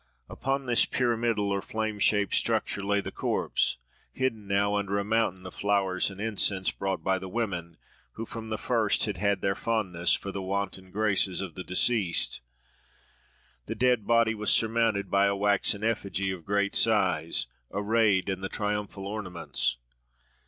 Upon this pyramidal or flame shaped structure lay the corpse, hidden now under a mountain of flowers and incense brought by the women, who from the first had had their fondness for the wanton graces of the deceased. The dead body was surmounted by a waxen effigy of great size, arrayed in the triumphal ornaments.